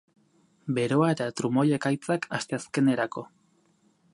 Beroa eta trumoi-ekaitzak asteazkenerako.